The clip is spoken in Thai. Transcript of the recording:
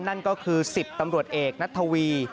นั่นก็คือ๑๐ตำรวจเอกนัททวี